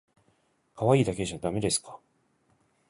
可愛いだけじゃだめですか？